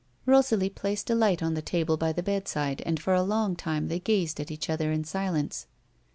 Rosalie placed a light on the table by the bedside, and for a long time they gazed at each other in silence.